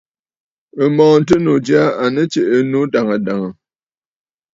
M̀mɔ̀ɔ̀ŋtənnǔ jyaa à nɨ tsiʼǐ ɨnnǔ dàŋə̀ dàŋə̀.